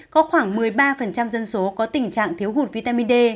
có khoảng một mươi ba dân số có tình trạng thiếu hụt vitamin d